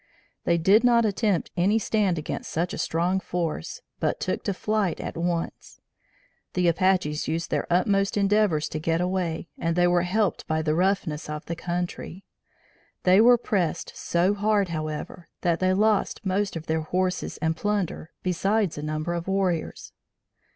They did not attempt any stand against such a strong force, but took to flight at once. The Apaches used their utmost endeavors to get away and they were helped by the roughness of the country. They were pressed so hard, however, that they lost most of their horses and plunder besides a number of warriors.